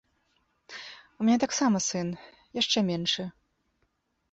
У мяне таксама сын, яшчэ меншы.